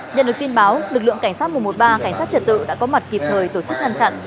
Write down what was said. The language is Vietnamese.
nhận được tin báo lực lượng cảnh sát một trăm một mươi ba cảnh sát trật tự đã có mặt kịp thời tổ chức ngăn chặn